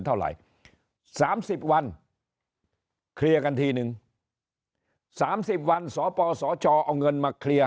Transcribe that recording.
เท่าไหร่๓๐วันเคลียร์กันทีนึง๓๐วันสปสชเอาเงินมาเคลียร์